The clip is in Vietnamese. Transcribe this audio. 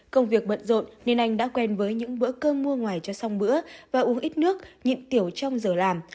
công việc bận rộn nên anh đã quen với những bữa cơm mua ngoài cho xong bữa và uống ít nước nhịn tiểu trong giờ làm